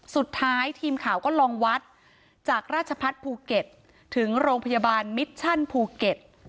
สุดท้ายทีมข่าวก็ลองวัดจากราชพัฒน์ภูเก็ตถึงโรงพยาบาลมิชชั่นภูเก็ต